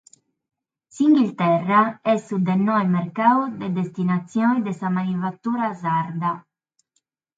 S’Inghilterra est su de noe mercadu de destinatzione de sa manifatura sarda.